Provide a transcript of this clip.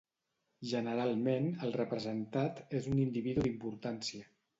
Generalment, el representat és un individu d'importància.